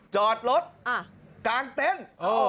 จอดรถกลางเต็นต์